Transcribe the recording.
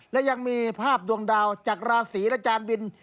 และยังมีภาพดวงดาวจากราศีและจานบิน